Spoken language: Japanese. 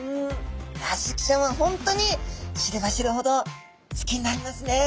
いやスズキちゃんは本当に知れば知るほど好きになりますね。